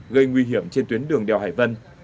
gây nguy hiểm trên tuyến đường đèo hải vân